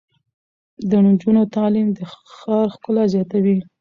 د نجونو تعلیم د ښار ښکلا زیاتوي.